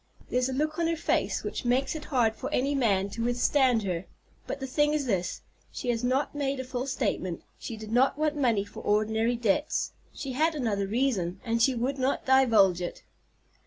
There's a look on her face which makes it hard for any man to withstand her; but the thing is this: she has not made a full statement; she did not want money for ordinary debts; she had another reason, and she would not divulge it.